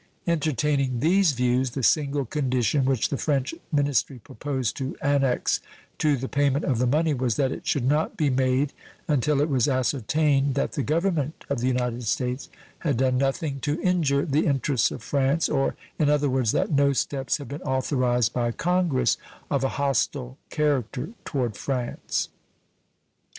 Entertaining these views, the single condition which the French ministry proposed to annex to the payment of the money was that it should not be made until it was ascertained that the Government of the United States had done nothing to injure the interests of France, or, in other words, that no steps had been authorized by Congress of a hostile character toward France.